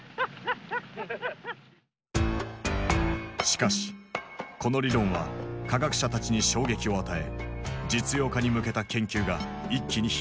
しかしこの理論は科学者たちに衝撃を与え実用化に向けた研究が一気に広がっていく。